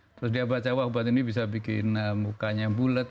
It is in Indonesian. terus dia baca obat ini bisa bikin mukanya bulat